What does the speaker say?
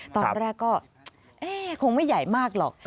ตอนแรกก็คงไม่ใหญ่มากหรอก